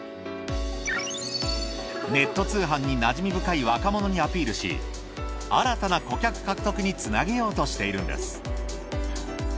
ネット通販になじみ深い若者にアピールし新たな顧客獲得につなげようとしているんです。